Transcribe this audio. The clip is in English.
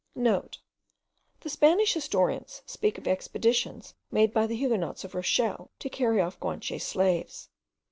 *(* The Spanish historians speak of expeditions made by the Huguenots of Rochelle to carry off Guanche slaves.